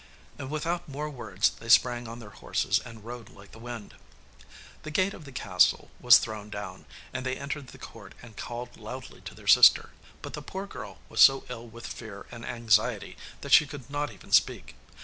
And without more words they sprang on their horses, and rode like the wind. The gate of the castle was thrown down, and they entered the court and called loudly to their sister. But the poor girl was so ill with fear and anxiety that she could not even speak.